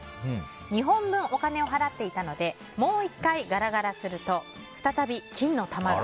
２本分、お金を払っていたのでもう１回ガラガラすると再び金の玉が。